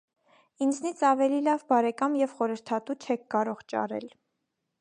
ինձնից ավելի լավ բարեկամ և խորհրդատու չեք կարող ճարել: